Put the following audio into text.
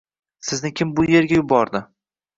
Sizni kim bu erga yubordi